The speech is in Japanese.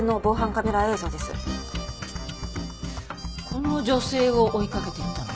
この女性を追いかけていったの？